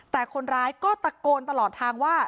แต่คนร้ายก็ตะโกนตลอดทางว่า